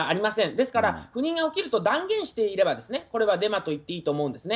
ですから、不妊が起きると断言していれば、これはデマと言っていいと思うんですね。